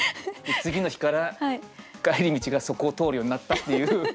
次の日から帰り道がそこを通るようになったっていう。